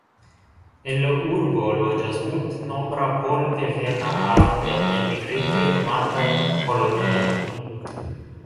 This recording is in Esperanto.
En la urbo loĝas multnombra pol-devena aro de elmigrintoj nomataj: „Polonia”.